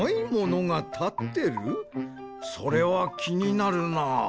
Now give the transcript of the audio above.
それはきになるな。